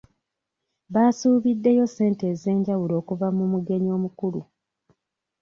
Baasuubiddeyo ssente ez'enjawulo okuva mu omugenyi omukulu.